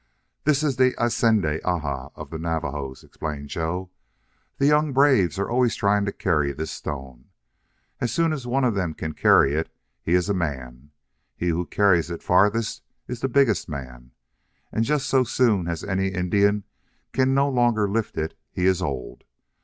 "This is the Isende Aha of the Navajos," explained Joe. "The young braves are always trying to carry this stone. As soon as one of them can carry it he is a man. He who carries it farthest is the biggest man. And just so soon as any Indian can no longer lift it he is old.